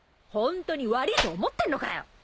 ホントに悪いと思ってんのかよ！